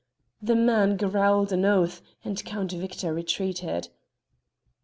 The man growled an oath, and Count Victor retreated.